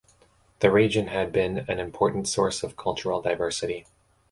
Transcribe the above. The region had been an important source of cultural diversity.